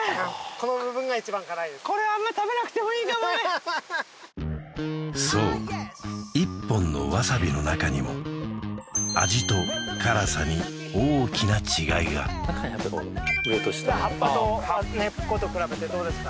この部分が一番辛いですあんまそう１本のわさびの中にも味と辛さに大きな違いが葉っぱと根っこと比べてどうですか？